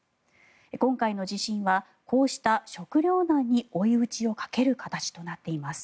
今回の地震はこうした食糧難に追い打ちをかける形となっています。